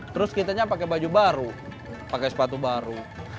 terus kitanya pakai baju baru pakai sepatu baru